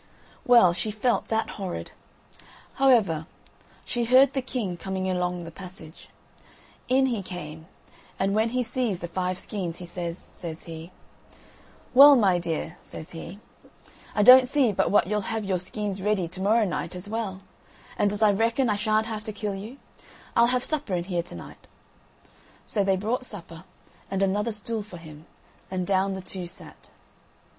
Well, she felt that horrid. However, she heard the king coming along the passage. In he came, and when he sees the five skeins, he says, says he, "Well, my dear," says he, "I don't see but what you'll have your skeins ready to morrow night as well, and as I reckon I shan't have to kill you, I'll have supper in here to night." So they brought supper, and another stool for him, and down the two sat.